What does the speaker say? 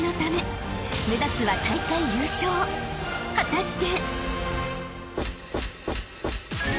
［果たして］